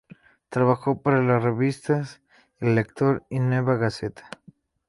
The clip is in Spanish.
Trabajó para las revistas "El Lector" y "Nueva Gaceta".